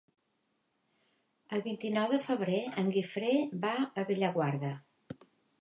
El vint-i-nou de febrer en Guifré va a Bellaguarda.